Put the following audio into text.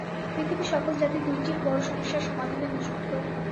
পৃথিবীর সকল জাতি দুইটি বড় সমস্যার সমাধানে নিযুক্ত।